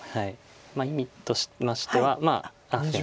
意味としましては。